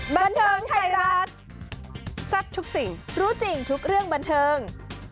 บันเทิงไทยรัฐแซ่บทุกสิ่งรู้จริงทุกเรื่องบันเทิง